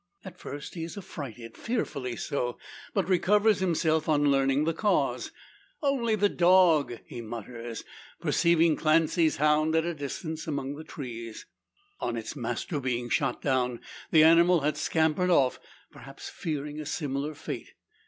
At first he is affrighted, fearfully so; but recovers himself on learning the cause. "Only the dog!" he mutters, perceiving Clancy's hound at a distance, among the trees. On its master being shot down, the animal had scampered off perhaps fearing a similar fate.